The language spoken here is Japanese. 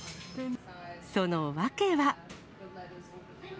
その訳は。